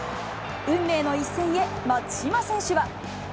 運命の一戦へ、松島選手は。